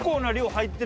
入ってる。